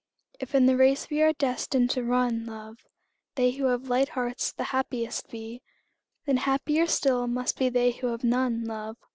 If in the race we are destined to run, love, They who have light hearts the happiest be, Then happier still must be they who have none, love.